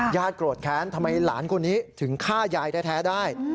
โกรธแค้นทำไมหลานคนนี้ถึงฆ่ายายแท้ได้